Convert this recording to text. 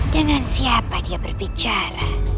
dengan siapa dia berbicara